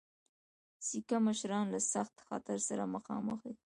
سیکه مشران له سخت خطر سره مخامخ دي.